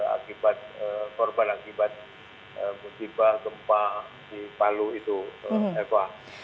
akibat korban akibat musibah gempa di palu itu eva